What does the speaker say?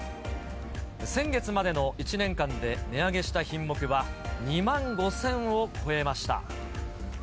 先月までの１年間で値上げした品目は２万５０００を超えました。